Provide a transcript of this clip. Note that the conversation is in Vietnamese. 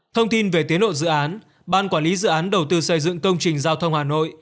thông tin về tiến độ dự án ban quản lý dự án đầu tư xây dựng công trình giao thông hà nội